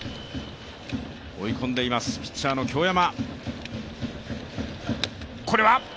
追い込んでいますピッチャーの京山。